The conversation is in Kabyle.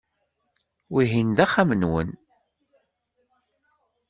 Wihin d axxam-nwen.